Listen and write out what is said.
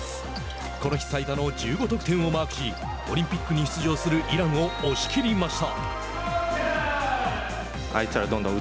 この日最多の１５得点をマークしオリンピックに出場するイランを押し切りました。